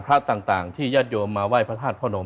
พระต่างที่ญาติโยมมาไหว้พระธาตุพระนม